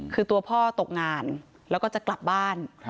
คือตัวพ่อตกงานแล้วก็จะกลับบ้าน